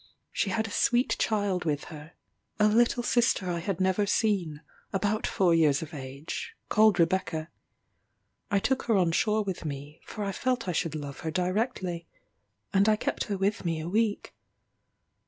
She had a sweet child with her a little sister I had never seen, about four years of age, called Rebecca. I took her on shore with me, for I felt I should love her directly; and I kept her with me a week.